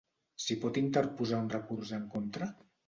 S'hi pot interposar un recurs en contra?